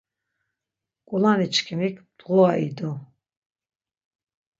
K̆ulaniçkimik mdğura idu.